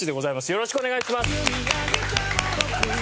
よろしくお願いします。